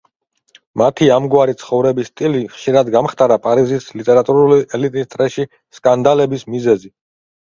მათი ამგვარი ცხოვრების სტილი ხშირად გამხდარა პარიზის ლიტერატურული ელიტის წრეში სკანდალების მიზეზი.